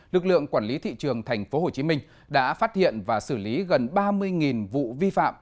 lực lượng quản lý thị trường tp hcm đã phát hiện và xử lý gần ba mươi vụ vi phạm